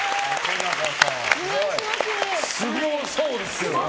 すごそうですけど。